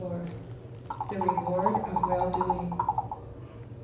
THE REWARD OF WELL DOING.